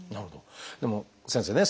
でも先生ね